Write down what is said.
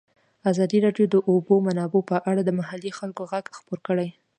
ازادي راډیو د د اوبو منابع په اړه د محلي خلکو غږ خپور کړی.